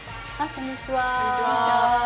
こんにちは。